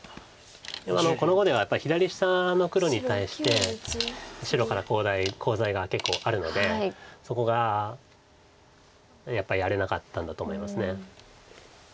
でもこの碁ではやっぱり左下の黒に対して白からコウ材が結構あるのでそこがやっぱりやれなかったんだと思います。